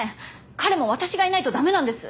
彼も私がいないとだめなんです。